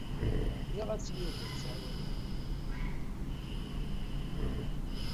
Nniɣ-as i Yuba ur t-ttɛawaneɣ ara.